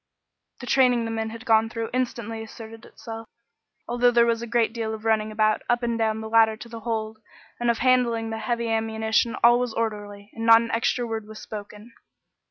The training the men had gone through instantly asserted itself. Although there was a great deal of running about, up and down the ladder to the hold, and of handing up the heavy ammunition, all was orderly, and not an extra word was spoken.